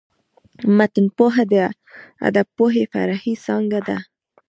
متنپوهنه د ادبپوهني فرعي څانګه ده.